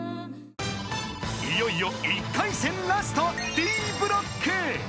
［いよいよ１回戦ラストＢブロック］